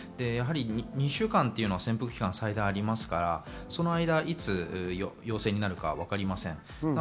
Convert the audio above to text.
２週間というのは潜伏期間が最大ありますから、その間いつ陽性になるかわかりません。